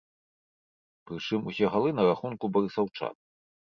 Прычым усе галы на рахунку барысаўчан.